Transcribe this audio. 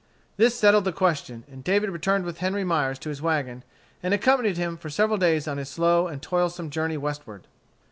This settled the question, and David returned with Henry Myers to his wagon, and accompanied him for several days on his slow and toilsome journey westward.